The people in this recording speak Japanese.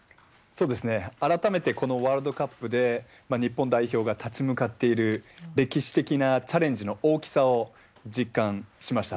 改めてこのワールドカップで日本代表が立ち向かっている、歴史的なチャレンジの大きさを実感しました。